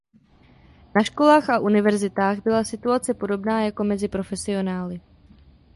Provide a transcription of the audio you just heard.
Na školách a univerzitách byla situace podobná jako mezi profesionály.